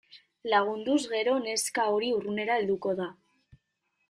Lagunduz gero neska hori urrunera helduko da.